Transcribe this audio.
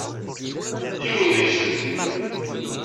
Yiwen deg-sen.